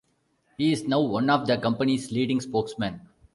He is now one of the company's leading spokesmen.